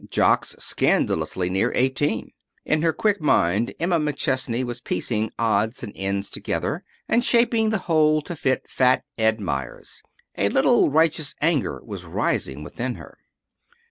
"Jock's scandalously near eighteen." In her quick mind Emma McChesney was piecing odds and ends together, and shaping the whole to fit Fat Ed Meyers. A little righteous anger was rising within her.